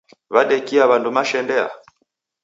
Wadekia w'andu mashendea?